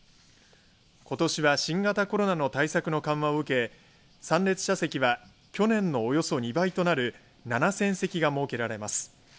ことしは新型コロナの対策の緩和を受け参列者席は去年のおよそ２倍となる７０００席が設けられます。